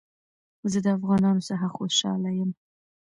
زه د افغانانو څخه خوشحاله يم